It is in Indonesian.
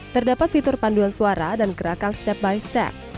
terdapat fitur panduan suara dan gerakan step by step